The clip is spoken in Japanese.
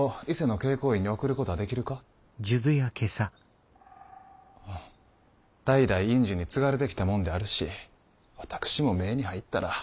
代々院主に継がれてきたもんであるし私も目に入ったら後ろ髪を引かれる。